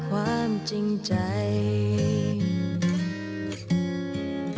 ขอบคุณครับ